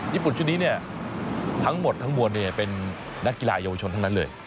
ญี่ปุ่นชุดนี้ทั้งหมดทั้งมวลเป็นนักกีฬาเยาวชนทั้งนั้นเลย